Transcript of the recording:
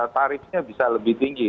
tarifnya bisa lebih tinggi